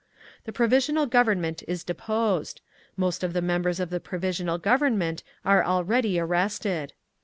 The Provisional Government is deposed. Most of the members of the Provisional Government are already arrested.